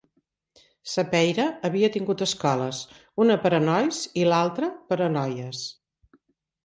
Sapeira havia tingut escoles, una per a nois i l'altra per a noies.